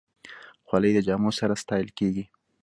خولۍ د جامو سره ستایل کېږي.